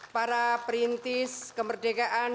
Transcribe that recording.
para perintis kemerdekaan